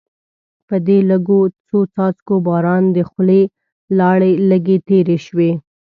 په دې لږو څو څاڅکو باران د خولې لاړې لږې تېرې شوې.